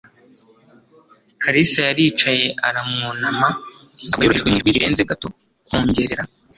Kalisa yaricaye aramwunama, avuga yoroheje mu ijwi rirenze gato kwongorera.